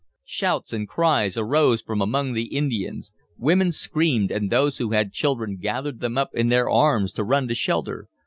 Shouts and cries arose from among the Indians. Women screamed, and those who had children gathered them up in their arms to run to shelter.